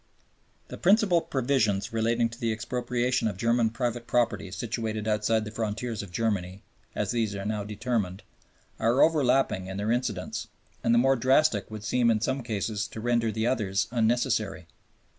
The principal provisions relating to the expropriation of German private property situated outside the frontiers of Germany, as these are now determined, are overlapping in their incidence, and the more drastic would seem in some cases to render the others unnecessary.